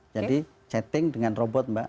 jadi chatting dengan robot mbak